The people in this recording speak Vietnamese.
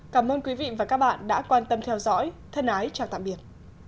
cảm ơn quý vị và các bạn đã quan tâm theo dõi thân ái chào tạm biệt